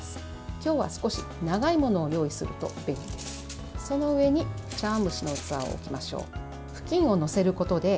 今日は少し長いものを用意すると便利です。